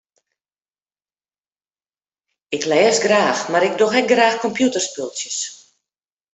Ik lês graach mar ik doch ek graach kompjûterspultsjes.